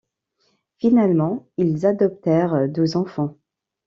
Finalement, ils adoptèrent douze enfants.